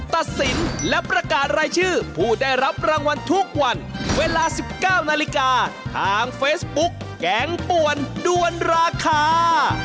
ตัดสินและประกาศรายชื่อผู้ได้รับรางวัลทุกวันเวลา๑๙นาฬิกาทางเฟซบุ๊กแกงป่วนด้วนราคา